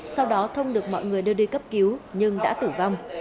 sau đó thông được mọi người đưa đi cấp cứu nhưng đã tử vong